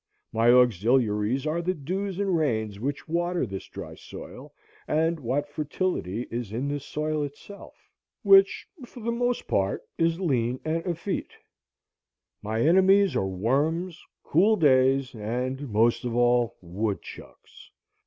My auxiliaries are the dews and rains which water this dry soil, and what fertility is in the soil itself, which for the most part is lean and effete. My enemies are worms, cool days, and most of all woodchucks.